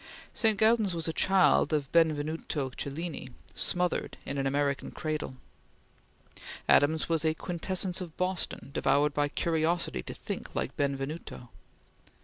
St. Gaudens was a child of Benvenuto Cellini, smothered in an American cradle. Adams was a quintessence of Boston, devoured by curiosity to think like Benvenuto.